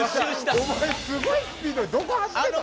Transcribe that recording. お前すごいスピードでどこ走ってたん？